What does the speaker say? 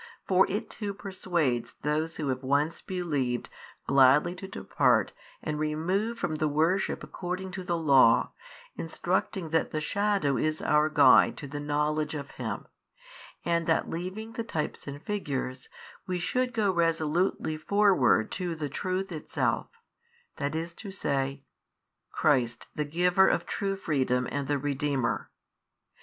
For it too persuades those who have once believed gladly to depart and remove from the worship according to the law, instructing that the shadow is our guide to the knowledge of Him, and that leaving the types and figures, we should go resolutely forward to the Truth Itself, i. e., Christ the Giver of true freedom and the Redeemer.